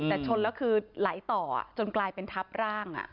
แต่ชนแล้วคือไหลต่อจนกลายเป็นทับร่าง